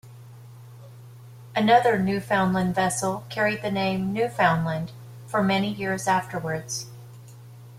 Another Newfoundland vessel carried the name "Newfoundland" for many years afterwards.